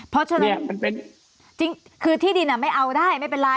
เพราะฉะนั้นคือที่ดินไม่เอาได้ไม่เป็นไร